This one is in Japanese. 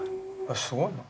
すごいな。